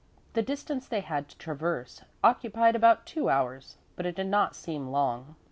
The distance they had to traverse occupied about two hours, but it did not seem long.